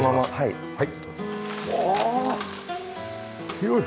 広い。